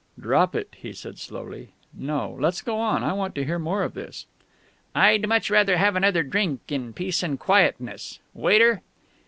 "Drop it?" he said slowly ... "No, let's go on. I want to hear more of this." "I'd much rather have another drink in peace and quietness.... Waiter!"